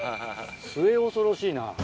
末恐ろしいな。